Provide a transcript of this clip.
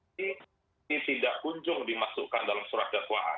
ini tidak kunjung dimasukkan dalam surat dakwaan